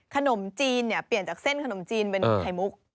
ขนมจีนเนี่ยเปลี่ยนจากเส้นขนมจีนเป็นไข่มุก